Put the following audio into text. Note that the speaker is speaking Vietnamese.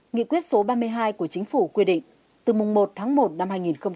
nghị quyết số ba mươi hai của chính phủ quy định từ mùng một tháng một năm hai nghìn hai mươi